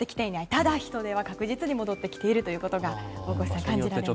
ただ、人出は確実に戻ってきているということが感じられますね。